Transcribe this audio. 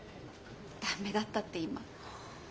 ダメだったって今。